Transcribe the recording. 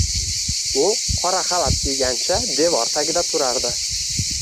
U qora xalat kiygancha devor tagida turardi